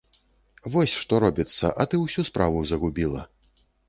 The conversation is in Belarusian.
Вось што робіцца, а ты ўсю справу загубіла.